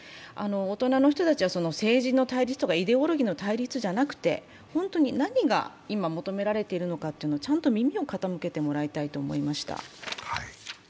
大人の人たちは政治の対立とかイデオロギーの対立じゃなくて、本当に何が今求められているのか、ちゃんと耳を傾けてもらいたいと思いました。